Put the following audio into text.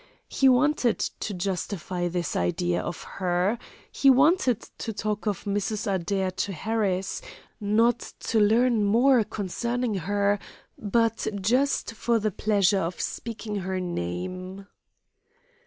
He wanted to justify this idea of her; he wanted to talk of Mrs. Adair to Harris, not to learn more concerning her, but just for the pleasure of speaking her name.